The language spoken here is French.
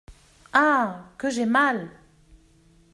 Ah ! que j’ai mal !